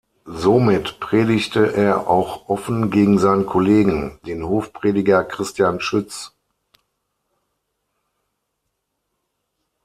Somit predigte er auch offen gegen seinen Kollegen, den Hofprediger Christian Schütz.